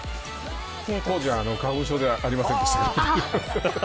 当時は花粉症ではありませんでしたけど。